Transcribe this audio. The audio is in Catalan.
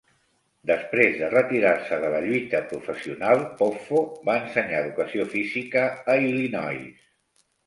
Després de retirar-se de la lluita professional, Poffo va ensenyar educació física a Illinois.